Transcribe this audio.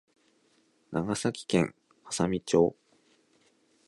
長崎県波佐見町